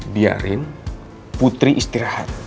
biarin putri istirahat